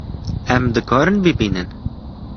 Em dikarin bibînin